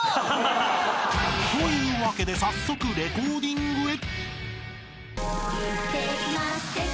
［というわけで早速レコーディングへ］